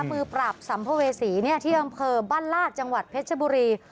มือปราบสัมภเวษีที่อำเภอบ้านลาดจังหวัดเพชรบุรี